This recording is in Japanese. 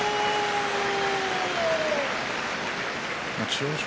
千代翔